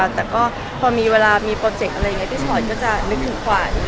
แต่ก็พอมีเวลามีโปรเจกต์อะไรอย่างนี้พี่ฉอยก็จะนึกถึงขวาน